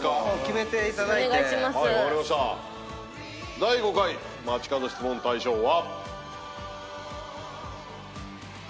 第５回街かど質問大賞は。